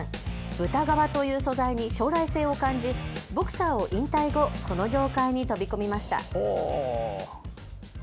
豚革という素材に将来性を感じボクサーを引退後この業界に飛び込みました。